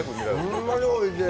ホンマにおいしい。